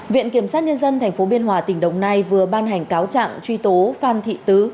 viện kiểm sát nhân dân tp biên hòa tỉnh đồng nai vừa ban hành cáo trạng truy tố phan thị tứ